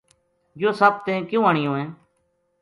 یوہ سپ تیں کیوں آنیو ہے